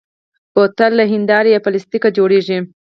بوتل له شیشې یا پلاستیک جوړېږي.